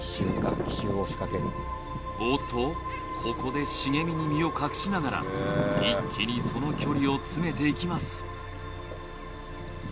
おっとここで茂みに身を隠しながら一気にその距離を詰めていきます